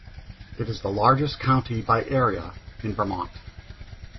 It is the largest county by area in Vermont.